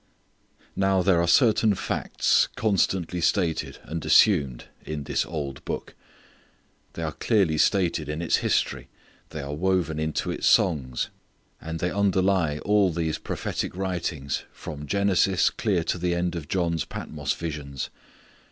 Now there are certain facts constantly stated and assumed in this old Book. They are clearly stated in its history, they are woven into its songs, and they underlie all these prophetic writings, from Genesis clear to the end of John's Patmos visions.